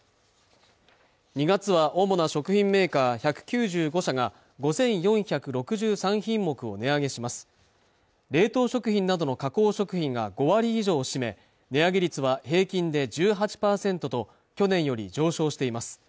２月は主な食品メーカー１９５社が５４６３品目を値上げします冷凍食品などの加工食品が５割以上を占め値上げ率は平均で１８％と去年より上昇しています